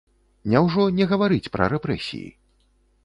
Няўжо не гаварыць пра рэпрэсіі?